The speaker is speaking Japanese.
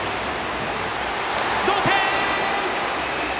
同点！